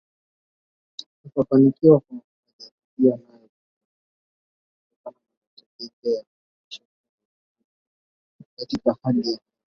Kutofanikiwa kwa majaribio hayo kulitokana na matatizo ya wamisionari Wazungu katika hali ya hewa